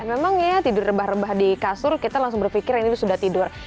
memang ya tidur rebah rebah di kasur kita langsung berpikir ini sudah tidur